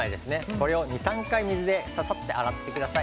これを２、３回水で洗ってください。